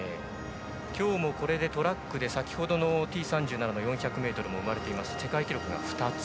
今日もこれでトラックでＴ３７の４００でも生まれていて世界記録が２つ。